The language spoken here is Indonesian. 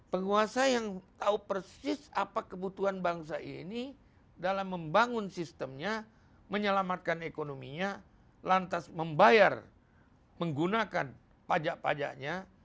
penguasa yang tahu persis apa kebutuhan bangsa ini dalam membangun sistemnya menyelamatkan ekonominya lantas membayar menggunakan pajak pajaknya